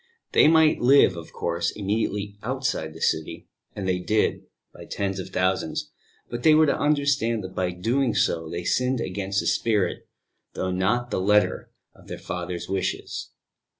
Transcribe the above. They might live, of course, immediately outside the city (and they did, by tens of thousands), but they were to understand that by doing so they sinned against the spirit, though not the letter, of their Father's wishes.